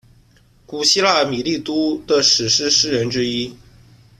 古希腊米利都的史诗诗人之一。